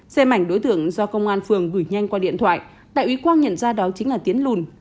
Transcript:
xe mảnh đối tượng do công an phường gửi nhanh qua điện thoại đại úy quang nhận ra đó chính là tiến lùn